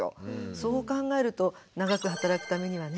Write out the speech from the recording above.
そう考えると長く働くためにはね